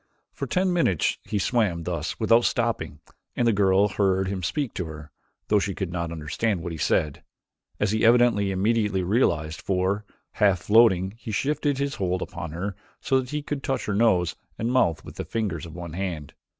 For ten minutes he swam thus without stopping and the girl heard him speak to her, though she could not understand what he said, as he evidently immediately realized, for, half floating, he shifted his hold upon her so that he could touch her nose and mouth with the fingers of one hand.